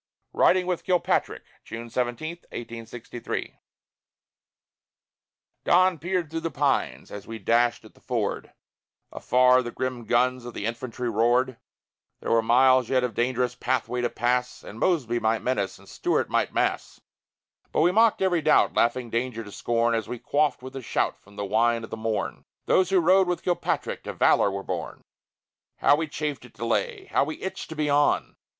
RIDING WITH KILPATRICK [June 17, 1863] Dawn peered through the pines as we dashed at the ford; Afar the grim guns of the infantry roared; There were miles yet of dangerous pathway to pass, And Mosby might menace, and Stuart might mass; But we mocked every doubt, laughing danger to scorn, As we quaffed with a shout from the wine of the morn. Those who rode with Kilpatrick to valor were born! How we chafed at delay! How we itched to be on!